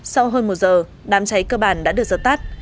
sau hơn một giờ đám cháy cơ bản đã được dập tắt